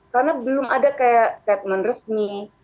karena belum ada kayak statement resmi